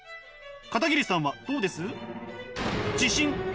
片桐さんはどうです？